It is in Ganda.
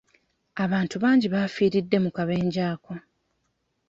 Abantu bangi bafiiridde mu kabenje ako.